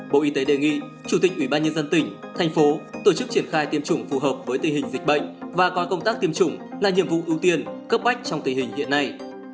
bộ y tế đề nghị chủ tịch ủy ban nhân dân tỉnh thành phố tổ chức triển khai tiêm chủng phù hợp với tình hình dịch bệnh và coi công tác tiêm chủng là nhiệm vụ ưu tiên cấp bách trong tình hình hiện nay